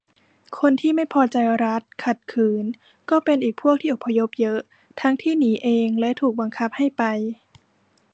คนที่ไม่พอใจรัฐ ขัดขืน ก็เป็นอีกพวกที่อพยพเยอะ ทั้งที่หนีเองและถูกบังคับให้ไป